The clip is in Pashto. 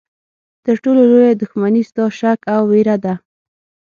تر ټولو لویه دښمني ستا شک او ویره ده.